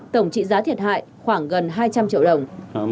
tổng trị giá thiệt hại khoảng gần hai trăm linh triệu đồng